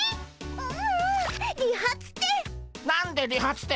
ううん理髪店。